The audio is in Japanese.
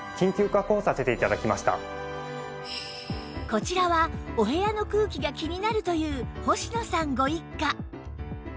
こちらはお部屋の空気が気になるというほしのさんご一家